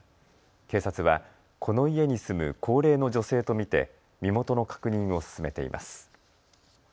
警察はこの家に住む高齢の女性と見て身元の確認を進めています。